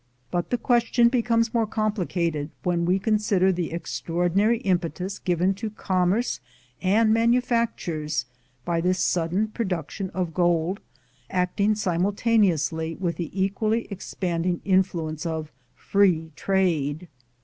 But the question becomes more complicated when we consider the extraordinary impetus given to com merce and manufactures by this sudden production of gold acting simultaneously with the equally ex panding influence of Free Trade.